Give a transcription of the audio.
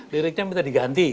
liriknya minta diganti